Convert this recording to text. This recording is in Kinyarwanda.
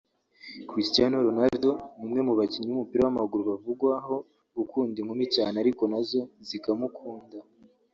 Christiano Ronaldo ni umwe mu bakinnyi b'umupira w'amaguru bavugwaho gukunda inkumi cyane ariko na zo zikamukunda